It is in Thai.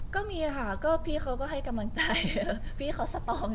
ก็มีค่ะก็พี่เขาก็ให้กำลังใจเขาสต้องอย่างเงิน